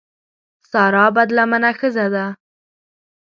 سارا بدلمنه ښځه ده.